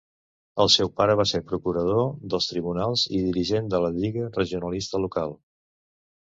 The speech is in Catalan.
El seu pare va ser procurador dels tribunals i dirigent de la Lliga Regionalista local.